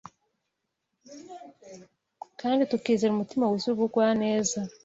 kandi tukizera umutima wuzuye ubugwaneza